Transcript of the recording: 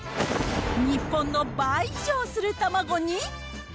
日本の倍以上する卵に。